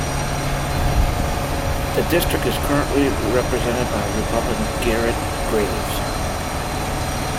The district is currently represented by Republican Garret Graves.